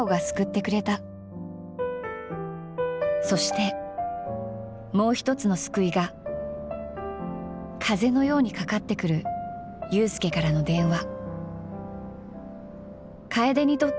そしてもう一つの救いが風のようにかかってくる裕介からの電話。